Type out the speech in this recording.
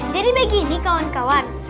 jadi begini kawan kawan